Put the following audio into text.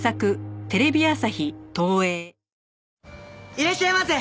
いらっしゃいませ！